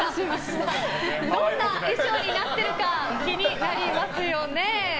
どんな衣装になってるか気になりますよね。